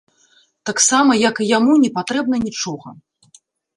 Таксама, як і яму непатрэбна нічога.